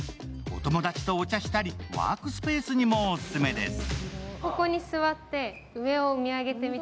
お友達とお茶したり、ワークスペースにもオススメです。